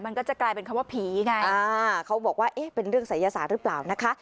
มันก็จะกลายเป็นคำว่าผีไงอ่าเขาบอกว่าเอ๊ะเป็นเรื่องศัยศาสตร์หรือเปล่านะคะ